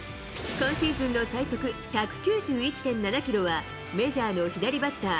今シーズンの最速１９１．７キロは、メジャーの左バッター